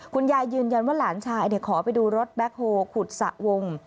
ยืนยันว่าหลานชายขอไปดูรถแบ็คโฮลขุดสระวง